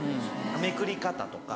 めくり方とか。